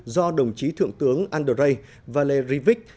do đồng chí thượng tướng andrei valerievich